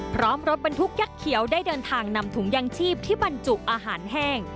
พร้อมรถบรรทุกยักษ์เขียวได้เดินทางนำถุงยางชีพที่บรรจุอาหารแห้ง